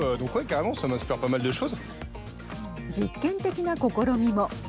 実験的な試みも。